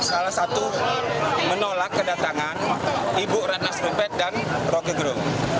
salah satu menolak kedatangan ibu ratna serumpet dan roky gerung